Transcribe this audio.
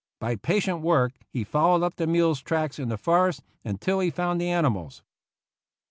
By patient work he fol lowed up the mules' tracks in the forest until he found the animals.